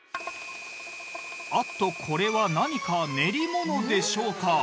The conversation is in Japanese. あっとこれは何か練り物でしょうか？